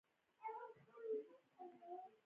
آیا الوتکې له کبانو ډکې نه ځي؟